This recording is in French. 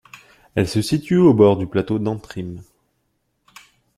Elle se situe au bord du plateau d'Antrim.